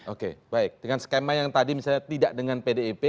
oke baik dengan skema yang tadi misalnya tidak dengan pdip